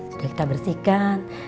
sudah kita bersihkan